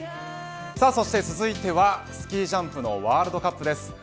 そして続いてはスキージャンプのワールドカップです。